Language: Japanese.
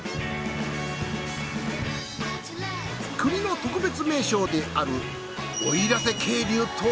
国の特別名勝である。